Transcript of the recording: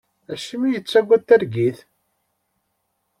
Acimi i yettagad targit?